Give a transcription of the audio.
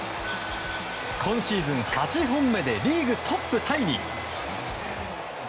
今シーズン８本目でリーグトップタイに。